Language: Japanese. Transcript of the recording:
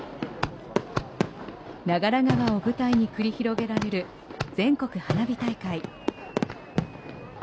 長良川を舞台に繰り広げられる全国花火大会。